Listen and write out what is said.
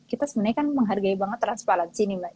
kita sebenarnya kan menghargai banget transparansi nih mbak